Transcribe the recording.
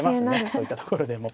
そういったところでも。